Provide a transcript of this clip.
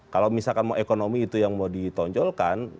kalau misalkan mau ekonomi itu yang mau ditonjolkan